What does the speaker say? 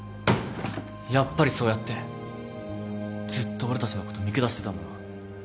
やっぱりそうやってずっと俺たちのこと見下してたんだな。